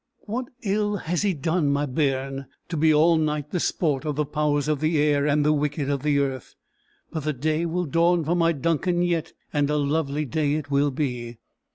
"What ill has he done my bairn to be all night the sport of the powers of the air and the wicked of the earth? But the day will dawn for my Duncan yet, and a lovely day it will be!"